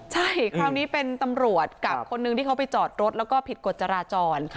ใช่คราวนี้เป็นตำรวจกับคนนึงที่เขาไปจอดรถแล้วก็ผิดกฎจราจร